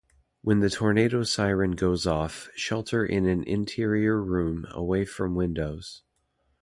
When the tornado siren goes off, shelter in an interior room away from windows.